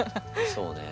そうね。